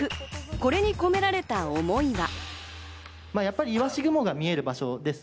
これに込められた思いは。